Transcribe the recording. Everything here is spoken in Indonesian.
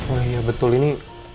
oh iya betul ini